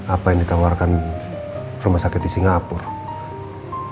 apa yang ditawarkan rumah sakit di singapura